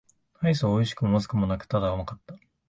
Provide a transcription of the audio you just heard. アイスは美味しくも不味くもなく、ただ甘かった。